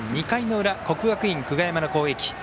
２回の裏、国学院久我山の攻撃。